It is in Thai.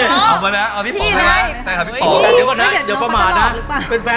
เอาพี่ครับโอเคนะเอาพี่ป๋องด้วยพี่ขอพี่ดีกว่านะ